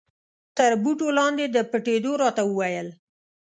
تر بوټو لاندې د پټېدو را ته و ویل.